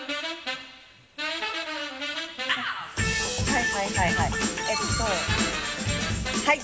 はいはい。